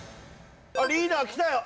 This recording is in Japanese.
リーダーきたよ。